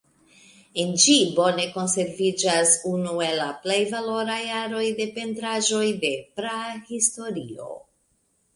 En ĝi bone konserviĝas unu el la plej valoraj aroj de pentraĵoj de Prahistorio.